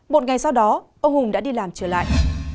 một ngày sau đó ông hùng đã đi làm trở lại